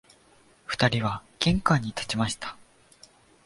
二人は玄関に立ちました